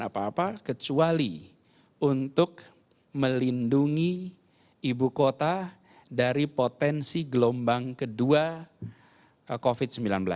apa apa kecuali untuk melindungi ibu kota dari potensi gelombang kedua covid sembilan belas